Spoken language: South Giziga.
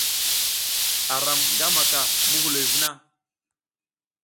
Aram nga maka muhuloy vuna?